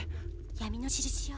闇の印よ